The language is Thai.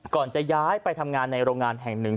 จะย้ายไปทำงานในโรงงานแห่งหนึ่ง